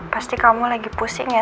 pasti kamu lagi pusing ya